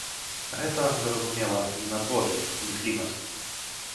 Гэта, зразумела, не надвор'е, не клімат.